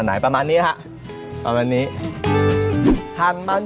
ไปกันเลยครับครับ